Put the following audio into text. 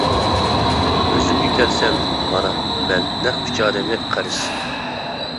ئۆزۈمگە كەلسەم، مانا، مەن نەق ئۈچ ئادەمگە قەرز.